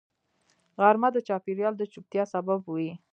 غرمه د چاپېریال د چوپتیا سبب وي